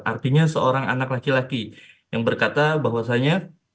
artinya seorang anak laki laki yang berkata bahwasanya